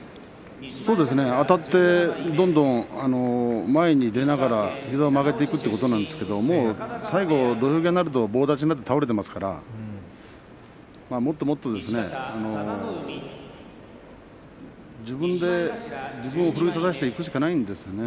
そうですねあたって、どんどん前に出ながら膝を曲げていくということなんですが最後、土俵際になると棒立ちになって倒れていますからもっともっと、自分で自分を奮い立たせていくしかないんです。